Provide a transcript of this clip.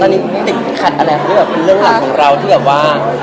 อันนี้ไม่ติดขัดอะไรเพราะแบบเป็นเรื่องหลักของเราที่แบบว่า